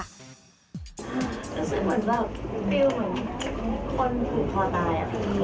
รู้สึกเหมือนว่าความรู้สึกเหมือนคนผูกคลอตาย